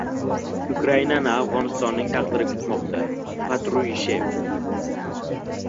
Ukrainani Afg‘onistonning taqdiri kutmoqda - Patrushev